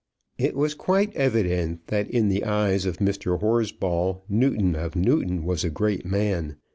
It was quite evident that in the eyes of Mr. Horsball Newton of Newton was a great man.